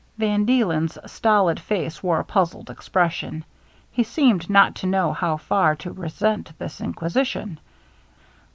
Van Deelen's stolid face wore a puzzled expression. He seemed not to know how far to resent this inquisition.